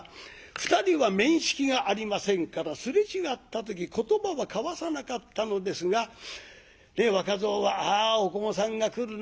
２人は面識がありませんから擦れ違った時言葉は交わさなかったのですが若蔵は「あおこもさんが来るな」。